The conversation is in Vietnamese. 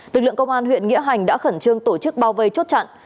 lực lượng công an huyện nghĩa hành đã khẩn trương tổ chức bao vây chốt chặn